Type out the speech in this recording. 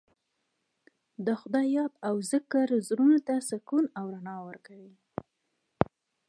د خدای یاد او ذکر زړونو ته سکون او رڼا ورکوي.